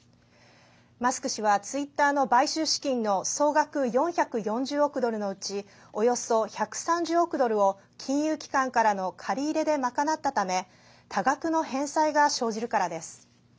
マスク氏はツイッターの買収資金の総額４４０億ドルのうちおよそ１３０億ドルを金融機関からの借り入れで賄ったため多額の返済が生じるからです。